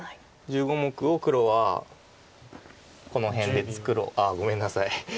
１５目を黒はこの辺であっごめんなさい。